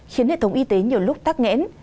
khiến hệ thống y tế nhiều lúc tắc nghẽn